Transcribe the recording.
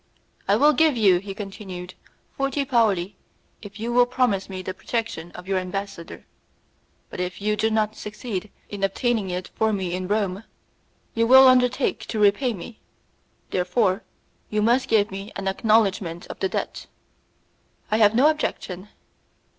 "I will give you," he continued, "forty paoli, if you will promise me the protection of your ambassador; but if you do not succeed in obtaining it for me in Rome, you will undertake to repay me. Therefore you must give me an acknowledgement of the debt." "I have no objection."